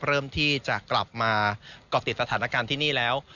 เริ่มที่จะกลับมาก่อติดสถานการณ์ที่นี่แล้ว